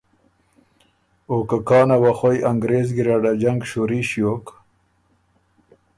او که کانه وه خوئ انګرېز ګیرډ ا جنګ شُوري ݭیوک،